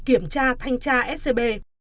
kiểm tra thanh tra scb